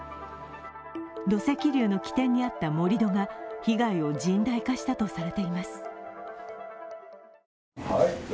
土石流の起点にあった盛り土が被害を甚大化したとされています。